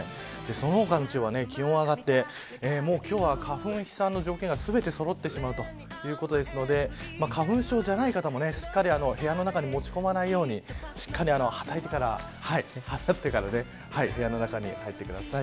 その他の地方は気温が上がって今日は花粉飛散の状況が、全てそろってしまうということなので花粉症じゃない方もしっかり部屋の中に持ち込まないようにしっかり、はたいてから部屋の中に入ってください。